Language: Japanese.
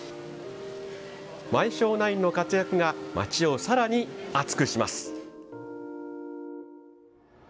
前商ナインの活躍が町をさらに熱くします。